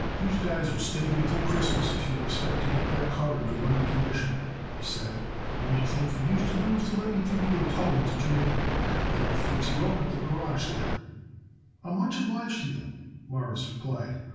"You'se guys will stay here till Christmas if you expect to get that car into running condition," he said. "The only thing for you'se to do is to let me give you a tow into Jamaica. They'll fix you up at the garage there." "I'm much obliged to you," Morris replied.